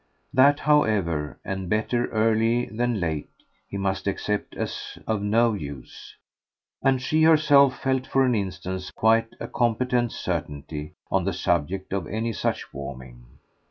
That however and better early than late he must accept as of no use; and she herself felt for an instant quite a competent certainty on the subject of any such warming.